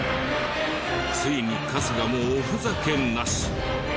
ついに春日もおふざけなし。